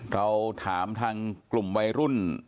เราถามทางกลุ่มวัยรุ่น